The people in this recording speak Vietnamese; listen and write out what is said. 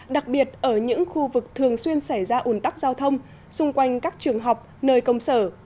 đặc biệt ở những khu vực thường xuyên xảy ra ủn tắc giao thông xung quanh các trường học nơi công sở